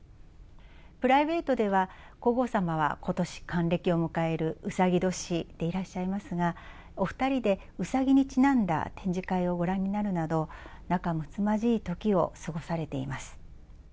プライベートでは、皇后さまはことし、還暦を迎えるうさぎ年でいらっしゃいますが、お２人でうさぎにちなんだ展示会をご覧になるなど、仲むつまじいときを過ごされています。